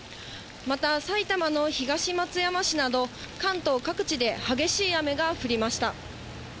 また、埼玉の東松山市など、関東各地で激しい雨が降りました。